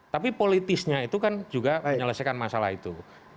tapi politisnya itu kan juga menyelesaikan masalah itu